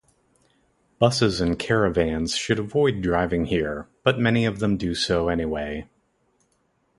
Buses and caravans should avoid driving here, but many of them do so anyway.